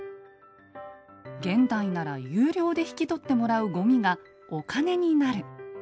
現代なら有料で引き取ってもらうごみがお金になる。